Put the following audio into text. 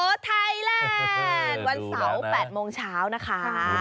โอโหทหัยแรกวันเสาร์แปดโมงเช้านะคะ